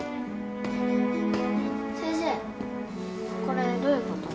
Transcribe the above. これどういうこと？